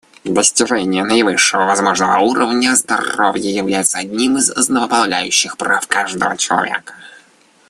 Достижение наивысшего возможного уровня здоровья является одним из основополагающих прав каждого человека.